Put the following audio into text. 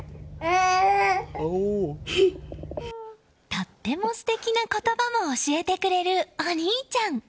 とっても素敵な言葉も教えてくれるお兄ちゃん！